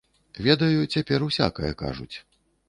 Ведаю, цяпер усякае кажуць.